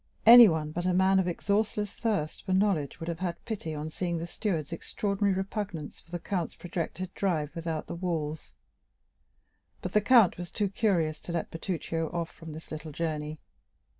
Anyone but a man of exhaustless thirst for knowledge would have had pity on seeing the steward's extraordinary repugnance for the count's projected drive without the walls; but the count was too curious to let Bertuccio off from this little journey.